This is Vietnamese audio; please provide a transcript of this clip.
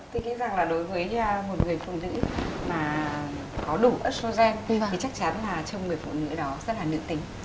tôi nghĩ rằng là đối với một người phụ nữ mà có đủ asogen và thì chắc chắn là trong người phụ nữ đó rất là nữ tính